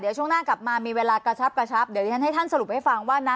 เดี๋ยวช่วงหน้ากลับมามีเวลากระชับกระชับเดี๋ยวที่ฉันให้ท่านสรุปให้ฟังว่านะ